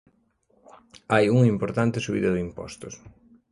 Hai unha importante subida de impostos.